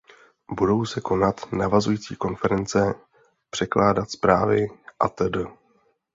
Budou se konat navazující konference, předkládat zprávy atd.